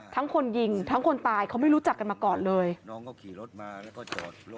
ทั้งคนยิงทั้งคนตายเขาไม่รู้จักกันมาก่อนเลย